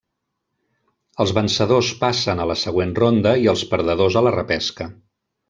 Els vencedors passen a la següent ronda i els perdedors a la repesca.